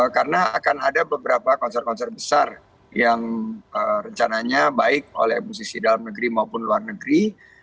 karena akan ada beberapa konser konser besar yang rencananya baik oleh musisi dalam negeri maupun luar negeri